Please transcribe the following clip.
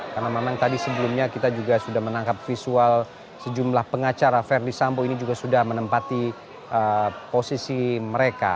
karena memang tadi sebelumnya kita juga sudah menangkap visual sejumlah pengacara verdi sambo ini juga sudah menempati posisi mereka